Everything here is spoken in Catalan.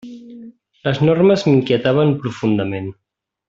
Les normes m'inquietaven profundament.